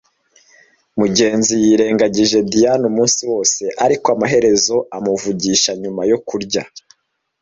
Mugenzi yirengagije Diyane umunsi wose, ariko amaherezo amuvugisha nyuma yo kurya.